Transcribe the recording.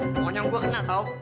pokoknya gue kena tau